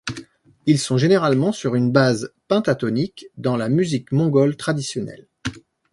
Ils sont généralement sur une base pentatonique dans la musique mongole traditionnelle.